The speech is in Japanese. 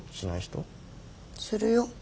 するよ。